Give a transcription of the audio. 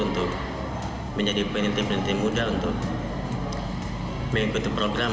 untuk menjadi peneliti peneliti muda untuk mengikuti program